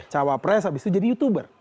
cawapress abis itu jadi youtuber